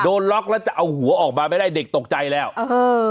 โดนล็อกแล้วจะเอาหัวออกมาไม่ได้เด็กตกใจแล้วเออ